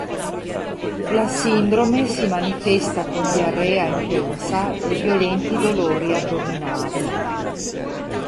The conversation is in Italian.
La sindrome si manifesta con diarrea intensa e violenti dolori addominali.